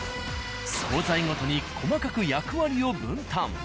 惣菜ごとに細かく役割を分担。